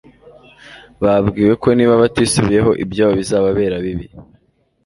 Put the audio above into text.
babwiwe ko niba batisubiyeho ibyabo bizababera bibi